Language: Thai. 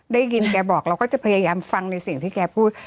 ได้ยินแกบอกเราก็จะพยายามฟังในสิ่งที่แกพูด